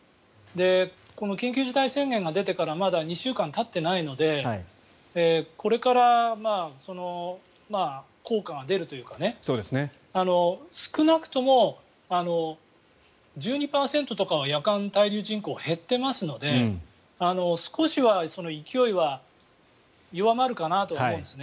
この緊急事態宣言が出てからまだ２週間たっていないのでこれから効果が出るというか少なくとも１２％とかは夜間滞留人口は減っていますので少しは勢いは弱まるかなとは思うんですね。